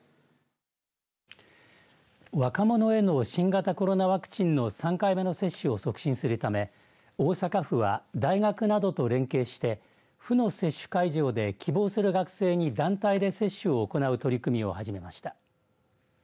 若者への新型コロナワクチンの３回目の接種を促進するため大阪府は、大学などと連携して府の接種会場で希望する学生に団体で接種を行う取り組みを始めました。